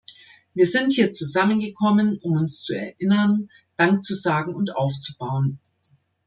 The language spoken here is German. Wir sind hier zusammengekommen, um uns zu erinnern, Dank zu sagen und aufzubauen.